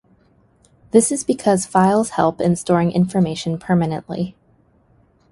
This is because files help in storing information permanently.